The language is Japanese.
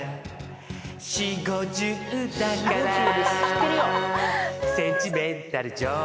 知ってるよ。